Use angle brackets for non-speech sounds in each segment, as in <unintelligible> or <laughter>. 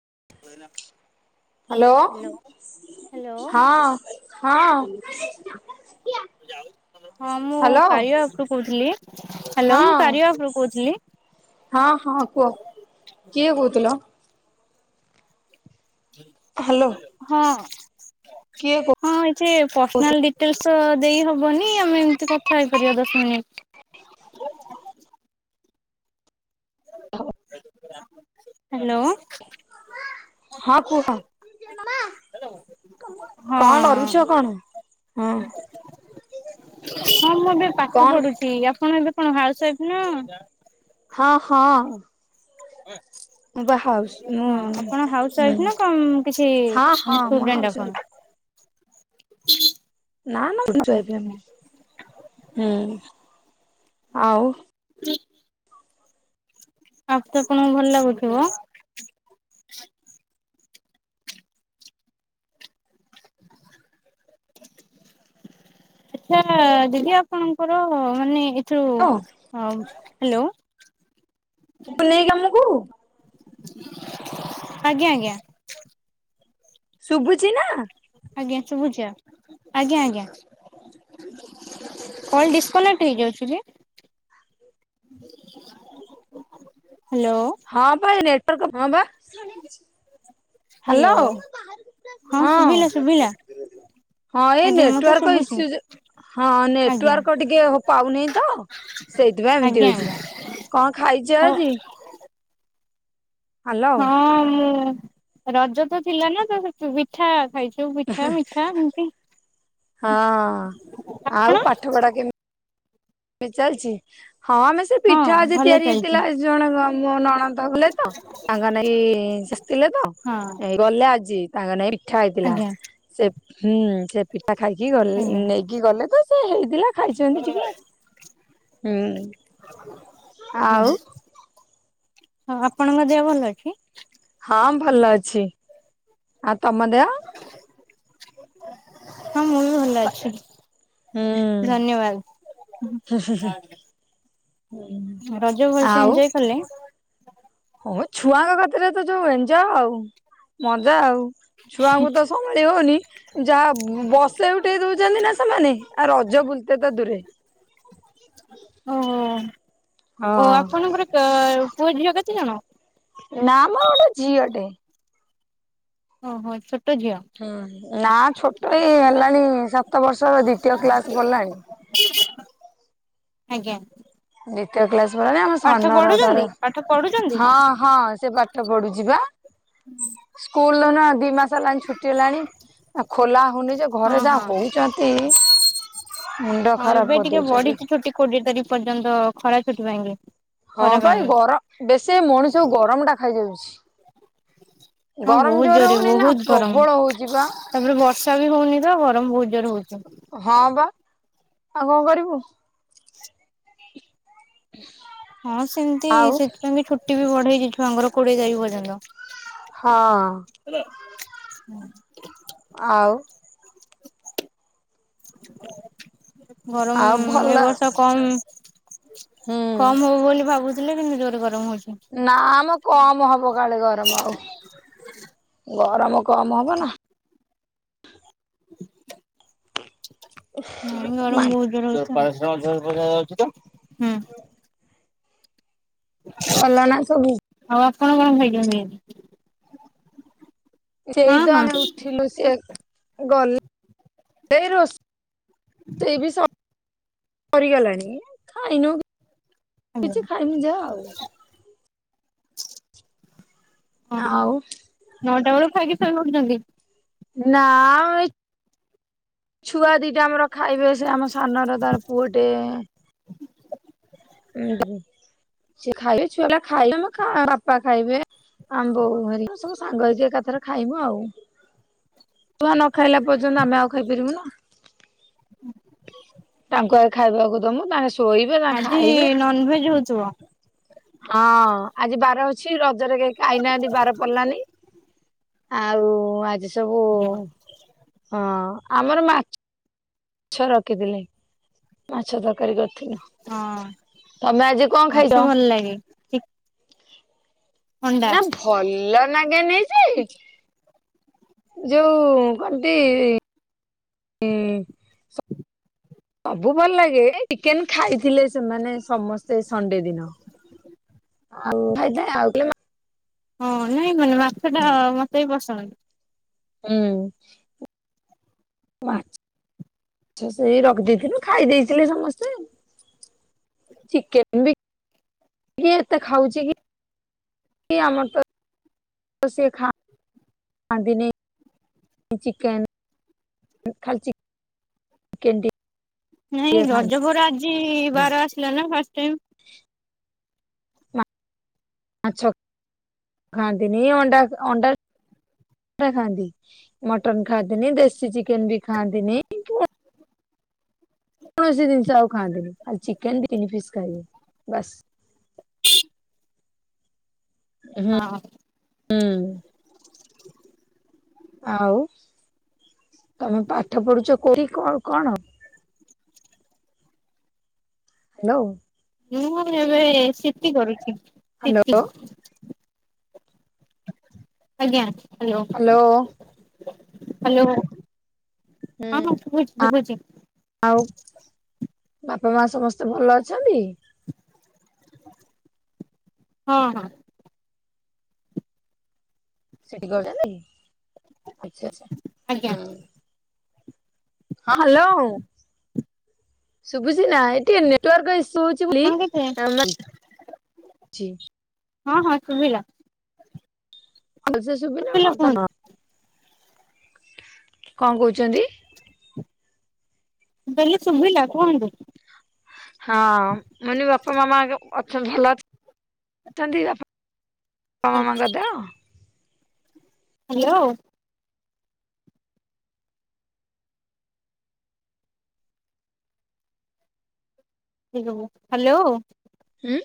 <unintelligible> Hello, ହଁ hello ହଁ। <unintelligible> ହଁ ମୁଁ ହ୍ୟାଲୋ କାରିଆ ଆପରୁ କହୁଥିଲି, ହାଲୋ ହଁ ମୁଁ କାରିଆ ଆପରୁ କହୁଥିଲି। ହଁ ହଁ କୁହ କିଏ କହୁଥିଲ? ହ୍ୟାଲୋ ହଁ। <unintelligible> କିଏ କହୁ ସେ ପର୍ସନାଲ ଡିଟେଲ୍ସ ତ ଦେଇ ହବନି, ଆମେ ଏମିତି କଥା ହେଇପାରିବା ଦଶ ମିନିଟ୍। ହାଲୋ। ହଁ କୁହ। ହଁ କଣ କରୁଚ କଣ? ହଁ। ହଁ, ମୁଁ ଏବେ ପାଠ କଣ ପଢୁଚି, ଆପଣ ଏବେ କଣ ହାଉସୱାଇଫ୍ ନା? ହଁ ହଁ। ମୁଁ ବା ହାଉସ୍ ମୁଁ ହଁ ଆପଣ ହାଉସ୍ ହୁଁ ୱାଇଫ ନା କଣ କିଛି ହଁ ହଁ ମାନେ ମୁଁ ଷ୍ଟୁଡେଣ୍ଟ ହାଉସ୍ ୱାଇଫ୍ ଆପଣ? ନା ନା ମୁ <unintelligible> ଆଇଫ ଏମିତି। ହୁଁ ଆଉ। <unintelligible> ଆଉ ତ କଣ ଭଲ ଲାଗୁଥିବ? <inaudible> ଆଛା ଦିଦି ଆପଣଙ୍କର ମାନେ ଥ୍ରୁ ହ୍ୟାଲୋ। <unintelligible> ନେଇକି ଆମକୁ <inaudible> ଆଜ୍ଞା ଆଜ୍ଞା। ଶୁଭୁଚି ନା? ଆଜ୍ଞା ଶୁଭୁଚି ଆଜ୍ଞା ଆଜ୍ଞା, <inaudible> କଲ ଡିସ୍କନେଟ ହେଇ ଯାଉଚି କି? ହ୍ୟାଲୋ <inaudible> ହଁ ପା ଏଇ ନେଟ ପ୍ରୋବେଲମ ବା ହ୍ୟାଲୋ ହଁ ଶୁଭିଲା ଶୁଭିଲା ହଁ ହଁ ଏଇ ଆଜ୍ଞା ମତେ ନେଟୱର୍କ ଶୁଭୁଛି। ଇସୁ ଜ ହଁ ଆଜ୍ଞା ନେଟୱର୍କ ଟିକେ ପାଉନାହି ତ ସେଇଥିପାଇଁ ଏମିତି ଆଜ୍ଞା ହୋଉଚି। ଆଜ୍ଞା କଣ ଖାଇଛି ହଉ ଆଜି? ହଁ। ରଜ ତ ଥିଲା ନା ତ ପିଠା ଖାଇଚୁ। ସବୁ ପିଠା ମିଠା ଏମତି। ହଁ ଆପଣ? ଆଉ ପାଠ ପଢା କେମିତି? ତି ଚାଲିଚି। ହଁ ଆମେ ସେ ହଁ ପିଠା ଆଜି ଭଲ ତିଆରି ଚାଲିଛି ହେଇଥିଲା ଜଣେ ମୋ ନଣନ୍ଦ କଲେ ତ ତାଙ୍କ ନେଇକ ଆସିଥିଲେ ତ ହଁ ଏ ଗଲେ ଆଜି ତାଙ୍କ ନାଇ ପିଠା ହେଇଥିଲା ଆଜ୍ଞା ସେ। ହୁଁଉ ସେ ପିଠା ଖାଇକି ଗଲେ ଆଜ୍ଞା ନେଇକି ଗଲେ ତ ସେ ହେଇଥିଲା ଖାଇଛନ୍ତି ଟିକେ ହୁଁଉଁ <inaudible> ଆଉ? ଆଜ୍ଞା। <inaudible> ହଁ ଆପଣଙ୍କ ଦେହ ଭଲ ଅଛି? ହଁ ଭଲ ଅଛି, ଆଉ ତମ ଦେହ? <inaudible> ହଁ ମୁଁ ବି ଭଲ ଅଛି। <inaudible> ହୁଁ ଧନ୍ୟବାଦ <inaudible> ରଜ ଭଲସେ ଏନଜୟ କଲେ? <inaudible> ହୋଉ ଛୁଆଙ୍କ କତିରେ ତ ଯୋଉ ଏଞଜୟ ଆଉ ମଜା ଆଉ। ଛୁଆଙ୍କୁ ତ ସମ୍ଭାଳି ହୋଉନି, ଯାହା ବସେଇ ଉଠେଇ ଦୋଉଚନ୍ତି ନା ସେମାନେ, ଆ ରଜ ବୁଲିତେ ତ ଦୂରେ। ଓହୋ ଓ ହଁ ଆପଣଙ୍କର କା ତୋ ପୁଅ ଝିଅ କେତେ ଜଣ? ନାମ ଗୋଟେ ଝିଅଟେ। <unintelligible> ହୁଁ ନା ଛୋଟ ଏଇ ହେଲାଣି ସାତ ବର୍ଷର ଦ୍ଵିତୀୟ କ୍ଲାସ ପଡିଲାଣି। <inaudible> ଆଜ୍ଞା। ଦ୍ୱିତୀୟ କ୍ଲାସ। <unintelligible> ଆମ ପାଠ ସାନର ତାର ପଢୁଛନ୍ତି ପାଠ <inaudible> ପଢୁଛନ୍ତି? ହଁ ହଁ ସେ ପାଠ ପଢୁଚି ପା। <inaudible> ସ୍କୁଲ ରୁ ନା ଦି ମାସ ହେଲାଣି ଛୁଟି ହେଲାଣି। ଆ ଖୋଲା ହଉନି ଯେ ହଁ ଘରେ ଯାହା ହଁ ହଁ <unintelligible> ହଉଛନ୍ତି ମୁଣ୍ଡ ହଁ ଖରାପ ଏବେ ଟିକେ କରିଦଉଛନ୍ତି। ବଢିଚି ଛୁଟି କୋଡିଏ ତାରିକ ପର୍ଯ୍ୟନ୍ତ। ଖରା ଛୁଟି ପାଇଁକି। ହଁ ଖରା ପା ଏଇ ପାଇଁକି। ଗରମ, ବେଶୀ ଏ ମଣିଷକୁ ଗରମ ଟା ଖାଇଯାଉଚି। ହଁ ଗରମ ବହୁତ ଯୋରେ ଜୋରେ ହୋଉନେଇଁ ନା? ବହୁତ ଗରମ ପ୍ରବଳ ହୋଉଚି ପା। ତାପରେ ବର୍ଷା ବି ହୋଉନି ତ ବୋହୁତ ଜୋରେ ହୋଉଚି। <inaudible> ଆଉ କଅ କରିବୁ <inaudible> ହଁ ସେମତି, ଆଉ ସେଥିପାଇଁ ବି ଛୁଟି। <unintelligible> ବି ବଢ଼େଇଚି ଛୁଆଙ୍କର କୋଡିଏ ତାରିଖ ପର୍ଯ୍ୟନ୍ତ। ହଁଅ। ହେଲା? ହୁଁ। ଆଉ। <unintelligible> ଗରମ ଆଉ ଭଲ ଏ ବର୍ଷ କମ୍ ହୁଁ <inaudible> କମ ହବ ବୋଲି ଭାବୁ ଦିନେ କେମିତି ଜୋର ଗରମ ହଉ ନା ଲୋ କମ ହବ କାଳେ ଗରମ ଆଉ ଗରମ କମ ହବ ନା। ନା ଗରମ ବୋହୁତ ଜୋର ହୋଉଚି ତ ହୁଁ । ଭଲ ନା ସବୁ <inaudible> ଆଉ ଆପଣ କଣ ଖାଇଛନ୍ତି? ହଁ ସେଇଦ ଆମେ ହଁ। ଉଠିଲୁ ସେ ଗଲେ ସେଇ ରୋଷେ ରୋଷେଇ ବି ସରି ସରିଗଲାଣି ଖାଇନୁ କିଛି ଖାଇମି ଯାହା ଆଉ। <inaudible> ହଁ ଆଉ ନ କେତେବେଳକୁ ଖାଇକି ଶୋଇ ପଡୁଚନ୍ତି? ନା <inaudible> ଛୁଆ ଦିଟା ଆମର ଖାଇବେ ସେ ଆମ ସାନର ତାର ପୁଅଟେ ହଁ ସେ ଖାଇବେ ଛୁଆପିଲା ଖାଇବେ ଆମେ ବାପା ଖାଇବେ ଆମେ ବୋଉ ହେରିକା ସବୁ ସାଙ୍ଗ ହେଇକି ଏକାଥର ଖାଇବୁ ଆଉ ଛୁଆ ନ ଖାଇଲା ପର୍ଯ୍ୟନ୍ତ ଆମେ ଆଉ ଖାଇପାରିବୁ ନା ତାଙ୍କ ଆ ଖାଇବାକୁ ଦମୁ ତାଙ୍କେ ଶୋଇବେ ତାଙ୍କେ ଆଜି ଖାଇବେ ନନଭେଜ ହଉଥିବ? ହଁ ଆଜି ବାର ଅଛି ରବି ରଜରେ କେହି ଖାଇନାହାଁନ୍ତି ବାର ପଡ଼ିଲାନି । ଆଉ ଆଜି ସବୁ ହଁ । ଆମର ମାଛ ଛ ରଖିଥିଲି। ମାଛ ତରକାରୀ କରି ଥିନୁ ହଁ ତମେ ଆଜି କଣ ମାଛ ଖାଇଛ? ଭଲ ଲାଗେ ଚି ଅଣ୍ଡା ନା ଭଲ ଲାଗେ ନେଇ ଯେ ଯୋଉ କଣ କି <unintelligible> ସବୁ ଭଲ ଲାଗେ ଚିକେନ ଖାଇଥିଲେ ସେମାନେ ସମସ୍ତେ ସଣ୍ଡେ ଦିନ ଆଉ ହଁ ନାଇଁ ମାନେ ମାଛ ଟା ମତେ ବି ପସନ୍ଦ। ହୁଁ। ମାଛଛ ସେଇ ରଖିଦେଇଥିଲୁ ଖାଇ ଦେଇେଇଥିଲି ସମସ୍ତେ ଚିକେନ ବି କି ଏତେ ଖାଉଛି କି ଆମର ତ ସେ ଖା ଖାଆନ୍ତିିନ ଚିକେ ଖାଲି ନାଇଁ ଟିକେ ଖାଆନ୍ତି ରଜପୁର ଆଜି ବାର ଆସିଲା ନା ଫାଇ ଆଛ ଗା ଦିନିଣ୍ଡଣ୍ଡା କ ଖାନ୍ତିି ମଟନ୍ ଖାଦନି ଦେସି ଚିକନ ବି ଖାନ୍ତିି। କୌଣସି ଜିନିଷ ଆଉ ଖାଆନ୍ତିୁନି ଆ ଚିକେନ ତିନି ପିସ୍ ଖାଇବେ ବାସ୍ ହୁଁ ହଁ। ହୁଁ। <inaudible> ଆଉ ତମେ ପାଠ ପଢୁଛ କଠି କ କଣ ହ୍ୟାଲୋ। ମୁଁ ଏବେ ସେଠି କରୁଛି। ହ୍ୟାଲୋ ସେପି ଆଜ୍ଞା। ହ୍ୟାଲୋ। ହ୍ୟାଲୋ। ହୁଁ। ହଁ ଶୁୁଛି ଭୁଛି। ଆଉ ବାପ ମା ସମସ୍ତେ ଭଲ ଅଛନ୍ତି? ହଁ, ହଁ। ସେଠି <unintelligible> ଆଚ୍ଛା, ଆଚ୍ଛା, ଆଜ୍ଞା ହୁଁ। ହଁ ହ୍ୟାଲୋ ଶୁଭୁଛି ନା ଏଇଟି ଟିକେ ନେଟୱାର୍କ ଇସ୍ ସୁ ହଉଚି ବୁଲି ଆପଣ କେତେ <unintelligible> ଚି ହଁ ହଁ ଶୁଭିଲା। ଭଲ ସେ ଶୁଭିଲା ହଁ ତ ନା କଣ କହୁଚନ୍ତି? ଦେଲୁ ଶୁଭିଲା, କଣ କହୁଚୁ? ହଁ ମାନେ ବାପା ମା ମା ଆଗେ ଉ <unintelligible> ହେଲା ଚନ୍ତି ଆପ ବାପା ମାଙ୍କ ଦେହ ହ୍ୟାଲୋ। ଦେଇ ଦବ, ହାଲୋ। ଉଁ,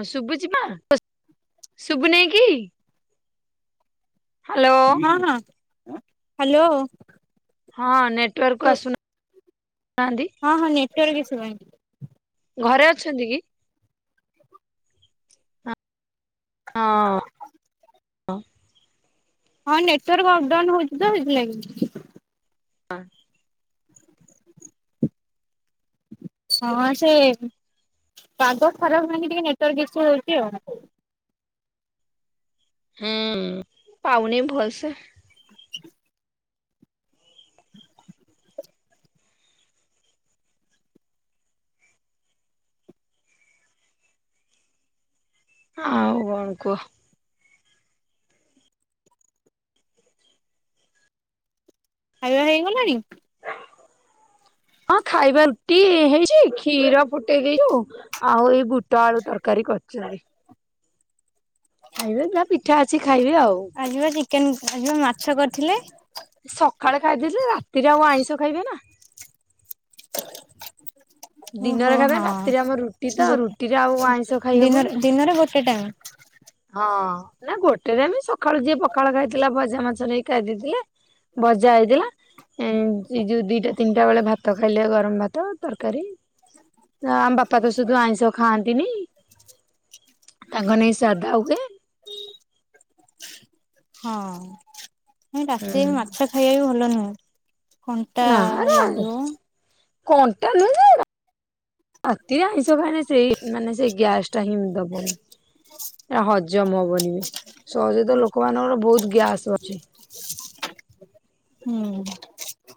ହଁ ଶୁଭୁଛି ପା, ଶୁଭୁ ନାଇକିି? ହଁ, ହଁ। ହାଲୋ। ହଁ ନେ ଟରକ ଆସୁନା ହଁ ହଁ ନେଟୱାର୍କ ଇସ୍ୟୁ ପାଇଁ। ଘରେ ଅଛନ୍ତି କି? ହଁ। ଅଁ, ହଁ ନେଟୱାର୍କ ଅପ୍ ଡାଉନ୍ ହଉଛି ତ ସେଥିଲାଗି। ଆ, ହଁ ସେ ପାଗ ଖରାପ ଲାଗି ଟିକେ ନେଟୱାର୍କ ଇସୁ ହଉଛି ଆଉ। ହୁଁ ପାଉନି ଭଲସେ। <inaudible> ଆଉ କଣ କୁହ? ଖାଇବା ହେଇଗଲାଣି? ହଁ ଖାଇବା ରୁଟି ହେଇ ଟିକ୍ କ୍ଷୀର ଫୁଟେଇ ଦେଇଚୁ, ଯୋଉ ଆଉ ଏଇ ବୁଟ ଆଳୁ ତରକାରୀ କରି ଚାଇ ଖାଇବେ ନା ପିଠା ଅଛି ଖାଇବେ ଆଉ। ଥିଲେ। ସକାଳେ ଖାଇଦେଲେ ରାତିରେ ଆଉ ଆଇଁଷ ଖାଇବେ ନା। <unintelligible> ଓହୋ ଦିନରେ ଖାଇବେ ହଁ ରାତିରେ ଆମର ରୁଟି ତ ଗୋ ରୁଟିରେ ଆଉ ଆଇଁଷ ଖାଇହବ ଦିନରେ କି? ଦିନରେ ଗୋଟେ ଟାଇମ ହଁ ନା ଗୋଟେରେ ଆମେ ସକାଳୁ ଯିଏ ପଖାଳ ଖାଇଥିଲା ଭଜା ମାଛ ନେଇକି ଖାଇ ଦେଇଥିଲେ ଭଜା ହେଇଥିଲା ଏ ଯୋଉ ଦିଟା ତିନିଟା ବେଳେ ଭାତ ଖାଇଲେ ଗରମ ଭାତ ତରକାରୀ ଆମ ବାପା ତ ସୁଧୁ ଆଈଷ ଖାଆନ୍ତି। ଦିନି ତାଙ୍କ ଜାଦା ହୁଏ। ହଁ। ରାତି ଉଁ ମାଛ ଖାଇବା ବି ଭଲ ନୁହେଁ କଣ୍ଟା ନା ରା ଲାଗିବ। କଣ୍ଟା ନ ଅତି ଆଇଁଷ ଖାଏନି ସେଇ ମାନେ ସେଇ ଗ୍ୟାସ ଟାଇମ ଦବନି ହଜମ ହବ ବନି ସହଜ ତ ଲୋକମାନାନଙ୍କର ବହୁତ ଗ୍ୟାସ। ଚି ହୁଁ।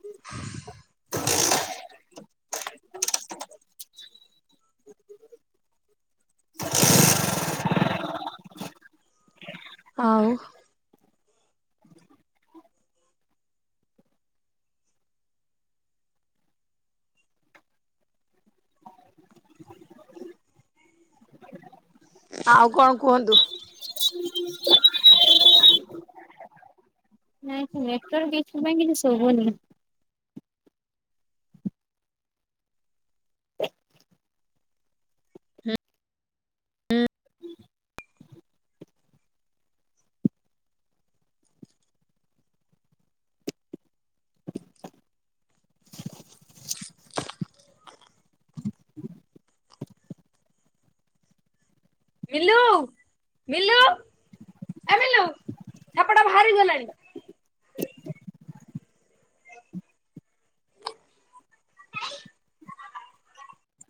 <unintelligible> ଆଉ ଆଉ କଣ କୁହନ୍ତୁ। ନାଇଁ ନେଟୱାର ଇସୁ ପାଇଁ କିଛି ଶବୁନି। ମିିଲୁ ମିିଲୁ ବାହାରି ଗଲାଣି।